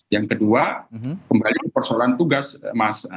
yang kedua kembali ke persoalan tugas mas